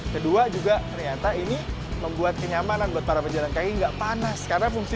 kedua juga ternyata ini membuat kenyamanan buat para pejalan kaki nggak panas karena fungsi